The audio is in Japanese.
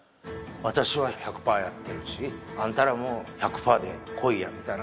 私は１００パーやってるし、あんたらも１００パーで来いやみたいな。